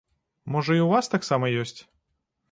Можа, і ў вас таксама ёсць?